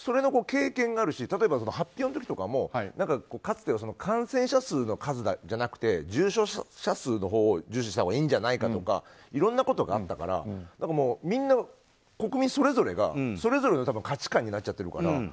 経験があるし、発表の時もかつては、感染者数じゃなくて重症者数のほうを重視したほうがいいんじゃないかとかいろんなことがあったからみんな国民それぞれがそれぞれの価値観になっちゃっているから。